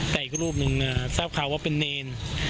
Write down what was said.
แต่อีกรูปหนึ่งทราบข่าวว่าเป็นเนร